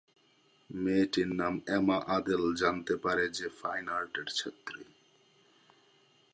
মেয়েটির নাম Emma Adele জানতে পারে, যে ফাইন আর্টের ছাত্রী।